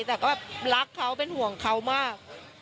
แต่ก็แบบรักเขาเป็นห่วงเขามาก